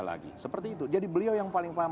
lagi seperti itu jadi beliau yang paling paham